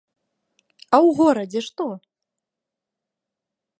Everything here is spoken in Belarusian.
А ў горадзе што?